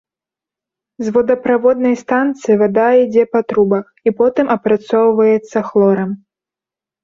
З водаправоднай станцыі вада ідзе па трубах і потым апрацоўваецца хлорам.